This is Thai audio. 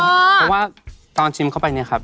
เพราะว่าตอนชิมเข้าไปเนี่ยครับ